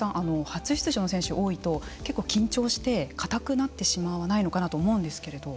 初出場の選手が多いと結構緊張してかたくなってしまわないのかなと思うんですけれど。